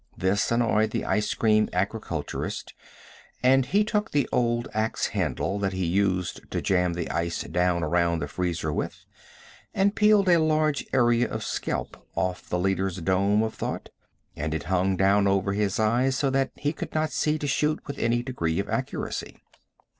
This annoyed the ice cream agriculturist, and he took the old axe handle that he used to jam the ice down around the freezer with, and peeled a large area of scalp off the leader's dome of thought, and it hung down over his eyes, so that he could not see to shoot with any degree of accuracy.